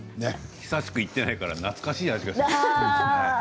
久しく行っていないから懐かしい味がします。